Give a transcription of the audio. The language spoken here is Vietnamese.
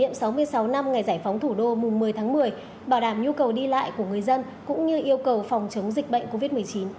hà nội triển khai bố trí đủ phương tiện đáp ứng tốt nhu cầu đi lại và phòng chống dịch covid một mươi chín